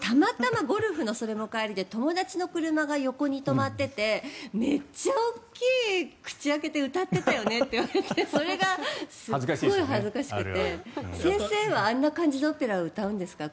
たまたまゴルフの、それも帰りで友達の車が横に止まっていてめっちゃ大きい口を開けて歌っていたよねって言われてそれがすごい恥ずかしくて先生はあんな感じで車の中でオペラを歌うんですか？